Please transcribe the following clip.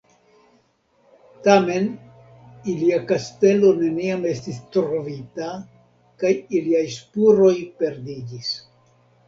Tamen ilia kastelo neniam estis trovita kaj iliaj spuroj perdiĝis.